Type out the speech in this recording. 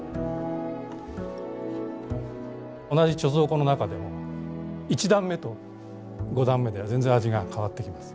同じ貯蔵庫の中でも１段目と５段目では全然味が変わってきます。